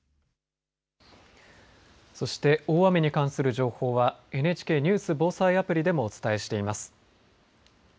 そして、大雨に関する情報はＮＨＫニュース・防災アプリでもお伝えしています。